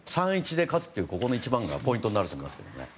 ３−１で勝つというのがポイントになると思います。